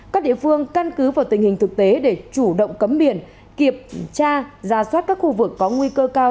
các địa phương căn cứ vào tình hình thực tế để chủ động cấm biển kiểm tra ra soát các khu vực có nguy cơ cao